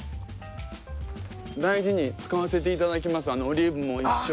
大事に使わせていただきますオリーブも一生。